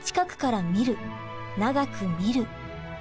長く見る。